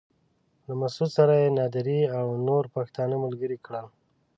له مسعود سره يې نادري او نور پښتانه ملګري کړل.